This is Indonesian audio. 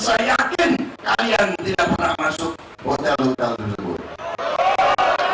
saya yakin kalian tidak pernah masuk hotel hotel tersebut